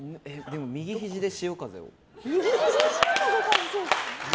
右ひじで潮風を。